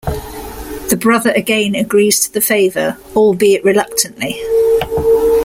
The brother again agrees to the favor, albeit reluctantly.